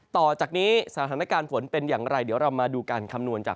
ต่อจากนี้สถานการณ์ฝนเป็นอย่างไรเดี๋ยวเรามาดูการคำนวณจาก